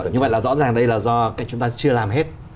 như vậy là rõ ràng đây là do chúng ta chưa làm hết